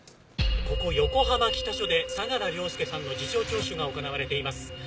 ここ横浜北署で相良凌介さんの事情聴取が行われています。